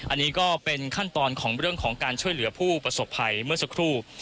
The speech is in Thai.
อันนี้ก็เป็นขั้นตอนของเรื่องของการช่วยเหลือผู้ประสบภัยเมื่อสักครู่